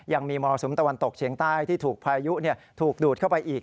มรสุมตะวันตกเฉียงใต้ที่ถูกพายุถูกดูดเข้าไปอีก